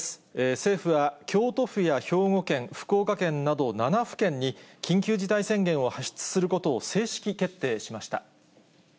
政府は、京都府や兵庫県、福岡県など７府県に緊急事態宣言を発出することを正式決定しました。